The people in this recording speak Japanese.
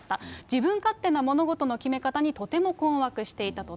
自分勝手な物事の決め方にとても困惑していたと。